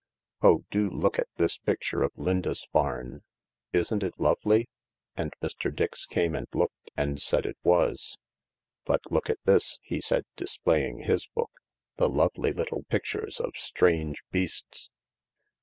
"Oh, do look at this picture of Lindisfarne — isn't it lovely ?" and Mr. Dix came and looked and said it was. "But look at this," he said, displaying his book— "the lovely little pictures of strange beasts."